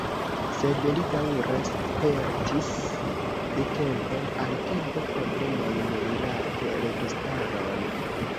Sed li daŭre spertis, de tempo al tempo, problemojn rilate registaron.